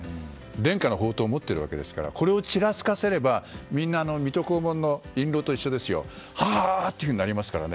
伝家の宝刀を持っていますからこれをちらつかせればみんな、水戸黄門の印籠と一緒ですよ。ははーとなりますからね。